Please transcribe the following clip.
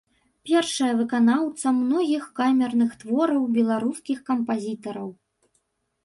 Першая выканаўца многіх камерных твораў беларускіх кампазітараў.